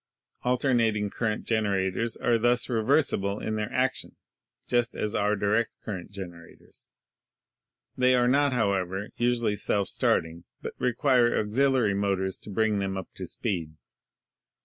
Alternating current generators are thus reversible in their action, just as are direct current generators. They are not, .however, usually self starting, but require auxiliary motors to bring them up to speed.